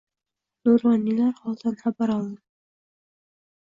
Nuroniylar holidan xabar olindi